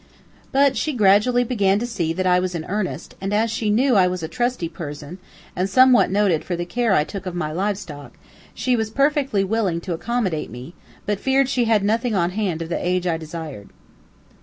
But she gradually began to see that I was in earnest, and as she knew I was a trusty person, and somewhat noted for the care I took of my live stock, she was perfectly willing to accommodate me, but feared she had nothing on hand of the age I desired.